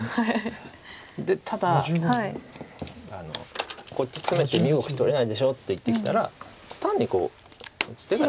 でただこっちツメて身動き取れないでしょって言ってきたら単にこう打つ手が。